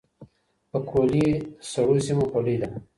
پکولي د سړو سيمو خولۍ ده.